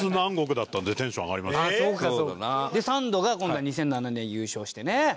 スタッフさんね。でサンドが今度は２００７年優勝してね。